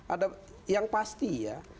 ada yang pasti ya